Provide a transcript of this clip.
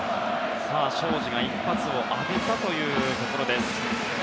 荘司が一発を浴びたというところです。